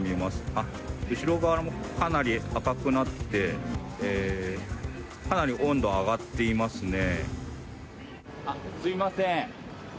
あっ、後ろ側もかなり赤くなってかなり温度、上がっていますね。